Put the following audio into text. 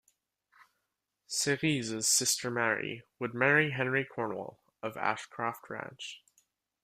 Cerise's sister Mary would marry Henry Cornwall of Ashcroft Ranch.